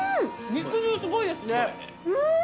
肉汁すごいですねん！